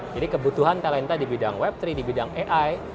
jadi kebutuhan talenta di bidang web tiga di bidang ai